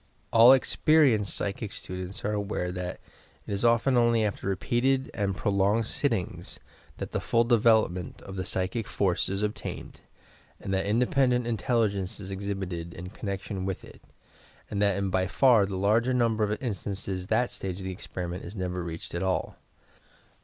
All experienced psychic students are aware that it is often only after repeated and prolonged sittings, that the full development of the psychic force is obtained and that independent intelligence is exhibited in connection with it and that in by far the larger number of instances that stage of the experiment is never reached at all.